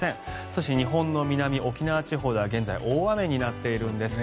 そして日本の南、沖縄地方では現在大雨になっているんです。